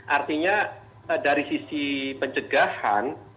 artinya dari sisi pencegahan